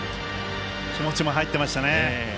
気持ちも入ってましたね。